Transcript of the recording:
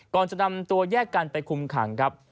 ก่อนจะนำตัวแยกกันไปคุมขังครับ